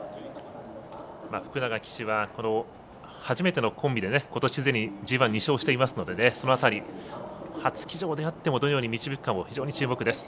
福永騎手は、初めてのコンビでことしすでにＧＩ２勝していますのでその辺り、初騎乗であってもどのように導くかも非常に注目です。